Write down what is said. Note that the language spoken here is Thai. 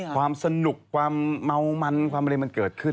ความสนุกความเมามันความอะไรมันเกิดขึ้น